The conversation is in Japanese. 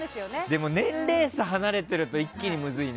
でも年齢差、離れてると一気にむずいね。